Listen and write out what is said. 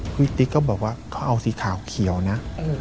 พี่ติ๊กก็บอกว่าเขาเอาสีขาวเขียวนะ